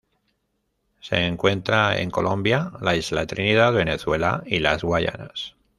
Se encuentra en Colombia, la isla Trinidad, Venezuela y las Guayanas.